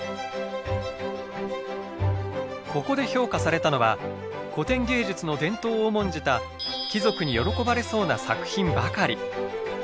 ここで評価されたのは古典芸術の伝統を重んじた貴族に喜ばれそうな作品ばかり。